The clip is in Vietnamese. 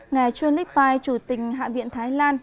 ngài chuan lich pai chủ tình hạ viện thái lan